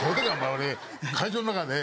俺会場の中で。